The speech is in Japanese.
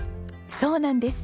そうなんです。